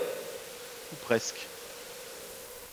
Ou presque.